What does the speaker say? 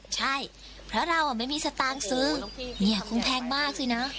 ใช่เพราะเราค่ะไม่มีสตานซึงเนี่ยคงแพงมากสิเนอะ